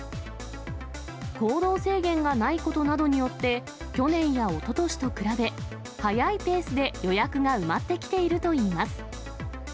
行動制限がないことなどによって、去年やおととしと比べ、速いペースで予約が埋まってきてるといいます。